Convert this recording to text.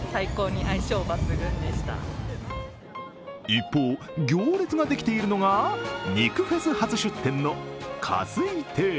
一方、行列ができているのが肉フェス初出店の香水亭。